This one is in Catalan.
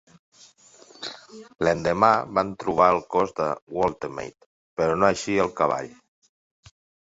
L'endemà van trobar el cos de Woltemade, però no així el cavall.